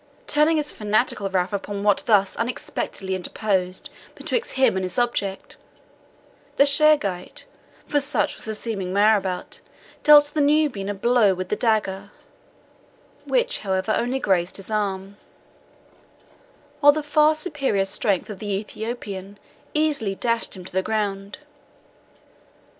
Turning his fanatical wrath upon what thus unexpectedly interposed betwixt him and his object, the Charegite, for such was the seeming marabout, dealt the Nubian a blow with the dagger, which, however, only grazed his arm, while the far superior strength of the Ethiopian easily dashed him to the ground.